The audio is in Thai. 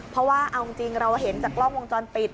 เพราะว่าเอาจริงเราเห็นจากกล้องวงจรปิด